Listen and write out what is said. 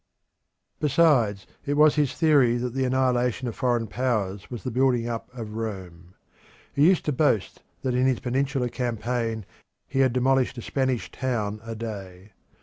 Besides, it was his theory that the annihilation of foreign powers was the building up of Rome. He used to boast that in his Peninsular campaign he had demolished a Spanish town a day.